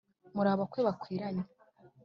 Muri abakwe bakwiranye